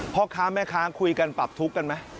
พ่อค้าแม่ค้าคุยกันปรับทุกข์กันไหม